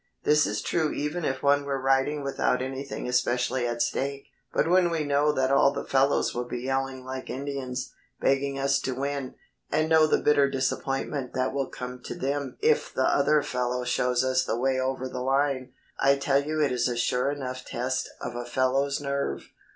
This is true even if one were riding without anything especially at stake, but when we know that all the fellows will be yelling like Indians, begging us to win, and know the bitter disappointment that will come to them if the other fellow shows us the way over the line, I tell you it is a sure enough test of a fellow's nerve."